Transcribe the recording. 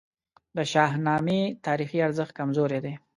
د شاهنامې تاریخي ارزښت کمزوری دی.